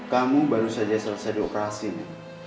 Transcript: kamu baru saja selesai di operasi ini